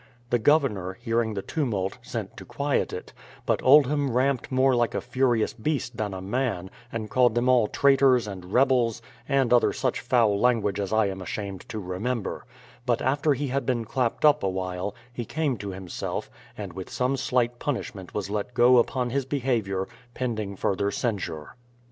The Governor, hearing the tumult, sent to quiet it; but Oldham ramped more like a furious beast than a man, and called them all traitors, and rebels, and other such foul language as I am ashamed to remember; but after he had been clapped up awhile, he came to himself, and with some slight punishment was let go upon his behaviour, pending further censure.